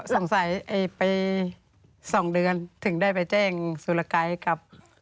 สงสัยไป๒เดือนถึงได้ไปแจ้งสุรกายกับ